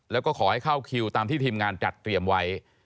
แล้วก็ขอให้เข้าคิวตามที่ทีมงานจัดเตรียมไว้